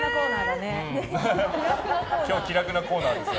今日、気楽なコーナーです。